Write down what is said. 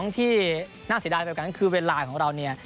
ที่น่าเสียดายแบบนั้นคือเวลาของเราเนี่ย